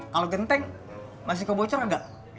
kalau genteng masih kebocor gak